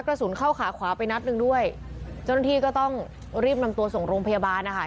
กระสุนเข้าขาขวาไปนัดหนึ่งด้วยเจ้าหน้าที่ก็ต้องรีบนำตัวส่งโรงพยาบาลนะคะ